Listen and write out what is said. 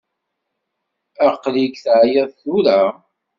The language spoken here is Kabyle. Aql-ik teɛyiḍ tura?